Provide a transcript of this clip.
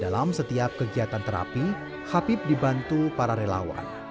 dalam setiap kegiatan terapi habib dibantu para relawan